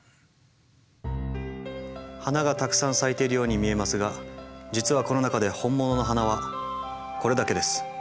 花がたくさん咲いているように見えますが実はこの中でホンモノの花はこれだけです。